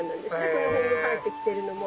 この辺に生えてきてるのも。